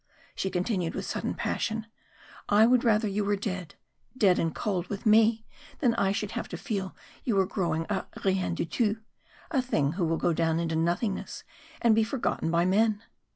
she continued with sudden passion, "I would rather you were dead dead and cold with me, than I should have to feel you were growing a rien du tout a thing who will go down into nothingness, and be forgotten by men!"